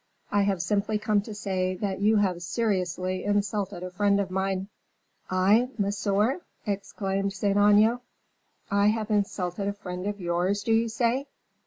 "I have simply come to say that you have seriously insulted a friend of mine." "I, monsieur?" exclaimed Saint Aignan "I have insulted a friend of yours, do you say?